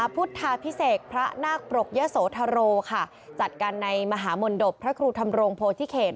พิเศษพระนาคปรกเย้โสธโรค่ะจัดการในมหามนตบพระครูธรงโพธิเขต